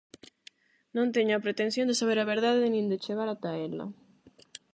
Non teño a pretensión de saber a verdade nin de chegar ata ela.